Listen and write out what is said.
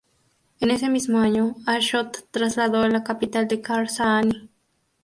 En ese mismo año, Ashot trasladó la capital de Kars a Ani.